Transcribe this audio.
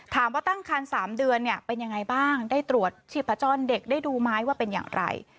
ถามว่าตั้งครรภ์สามเดือนเนี้ยเป็นยังไงบ้างได้ตรวจชีพจรเด็กได้ดูไม้ว่าเป็นอย่างไร